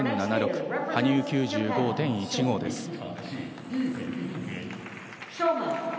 羽生９５．１５です。